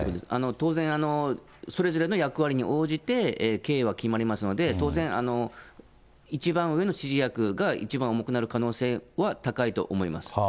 当然それぞれの役割に応じて刑は決まりますので、当然、一番上の指示役が一番重くなる可能性は高いと思います。